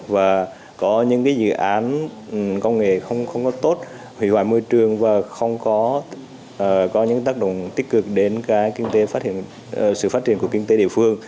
và có những dự án công nghệ không có tốt hủy hoại môi trường và không có những tác động tích cực đến sự phát triển của kinh tế địa phương